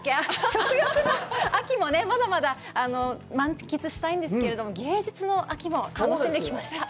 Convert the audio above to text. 食欲の秋もまだまだ満喫したいんですけれども、芸術の秋も、楽しんできました。